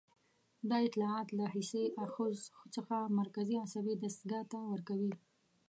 دا اطلاعات له حسي آخذو څخه مرکزي عصبي دستګاه ته ورکوي.